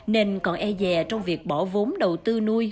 nên còn e dè trong việc bỏ vốn đầu tư nuôi